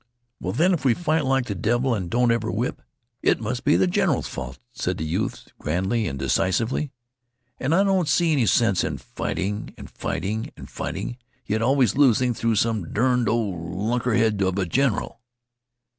"Well, then, if we fight like the devil an' don't ever whip, it must be the general's fault," said the youth grandly and decisively. "And I don't see any sense in fighting and fighting and fighting, yet always losing through some derned old lunkhead of a general."